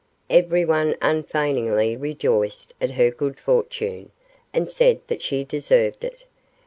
Everyone unfeigningly rejoiced at her good fortune, and said that she deserved it.